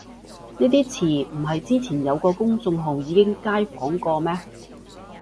呢啲詞唔係之前有個公眾號已經街訪過咩